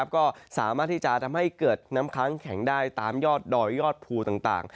ก็สามารถที่จะทำให้เกิดน้ำค้างแข็งได้ตามยอดดอยยอดภูต่าง